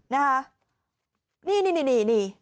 นี่นี่นี่นี่